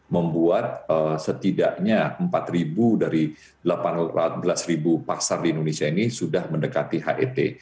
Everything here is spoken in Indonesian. membuat setidaknya empat dari delapan belas pasar di indonesia ini sudah mendekati het